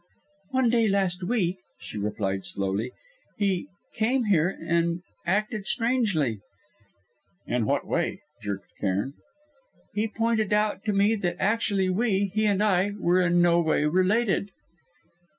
"One day, last week," she replied slowly, "he came here, and acted strangely " "In what way?" jerked Cairn. "He pointed out to me that actually we he and I were in no way related."